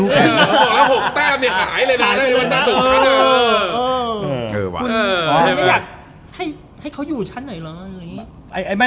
คุณไม่อยากให้เขาอยู่ชั้นหน่อยหรอ